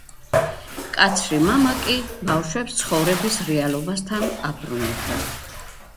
მკაცრი მამა კი ბავშვებს ცხოვრების რეალობასთან აბრუნებდა.